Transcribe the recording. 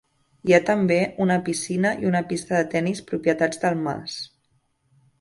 Hi ha també una piscina i una pista de tenis propietats del mas.